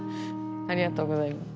ありがとうございます。